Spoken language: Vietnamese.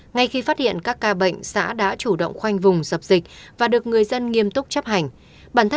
ngay khi phát hiện các ca bệnh xã đã chủ động khoanh vùng dập dịch và được người dân nghiêm túc chấp hành